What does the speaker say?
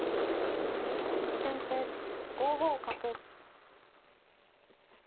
先手５五角。